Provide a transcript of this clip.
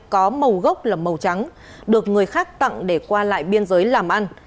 có màu gốc là màu trắng được người khác tặng để qua lại biên giới làm ăn